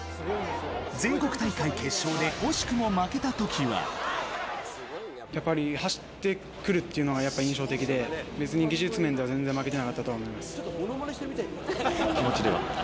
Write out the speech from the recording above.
全国大会決勝で惜しくも負けたとやっぱり走ってくるっていうのが、やっぱり印象的で、別に技術面では全然負けてなかったと思気持ちでは？